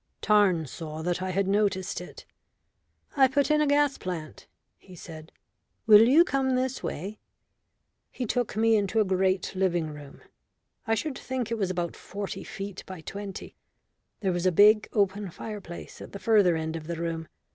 Tarn saw that I had noticed it. "I put in a gas plant," he said. "Will you come this way?" He took me into a great living room. I should think it was about forty feet by twenty. There was a big open fireplace at the further end of the room.